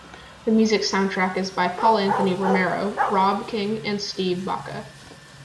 The music soundtrack is by Paul Anthony Romero, Rob King and Steve Baca.